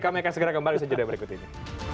kami akan segera kembali ke sudut berikut ini